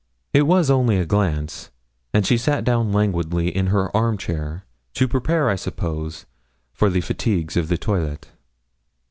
It was only a glance, and she sat down languidly in her arm chair to prepare, I suppose, for the fatigues of the toilet.